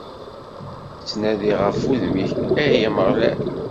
Ttnadiɣ ɣef wudem-ik, ay Ameɣlal!